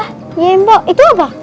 tembok itu apa